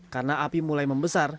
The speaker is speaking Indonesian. karena api mulai membesar